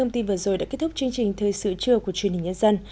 tôi đã kết thúc chương trình thời sự trưa của truyền hình nhân dân